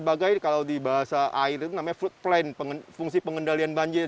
sebagai kalau di bahasa air itu namanya fruit plan fungsi pengendalian banjir